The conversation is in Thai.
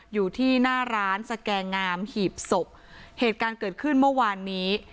อยู่ที่หน้าร้านสแกงามหีบศพเหตุการณ์เกิดขึ้นเมื่อวานนี้